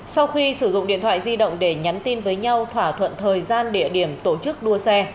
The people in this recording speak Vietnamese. sau khi sử dụng điện thoại di động để nhắn tin với nhau thỏa thuận thời gian địa điểm tổ chức đua xe